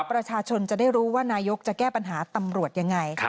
ประชาชนจะได้รู้ว่านายกจะแก้ปัญหาตำรวจยังไง